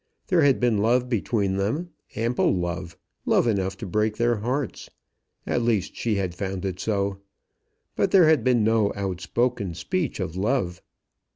There had been love between them, ample love, love enough to break their hearts. At least she had found it so. But there had been no outspoken speech of love.